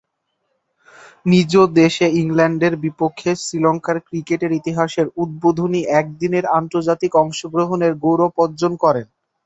নিজদেশে ইংল্যান্ডের বিপক্ষে শ্রীলঙ্কার ক্রিকেটের ইতিহাসের উদ্বোধনী একদিনের আন্তর্জাতিকে অংশগ্রহণের গৌরব অর্জন করেন।